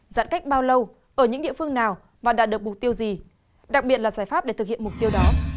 giãn cách bao lâu ở những địa phương nào và đạt được mục tiêu gì đặc biệt là giải pháp để thực hiện mục tiêu đó